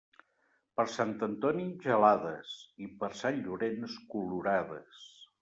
Per Sant Antoni gelades, i per sant Llorenç colorades.